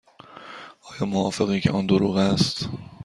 آیا موافقی که آن دروغ است؟